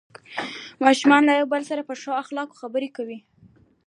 ماشومان له یو بل سره په ښو اخلاقو خبرې کوي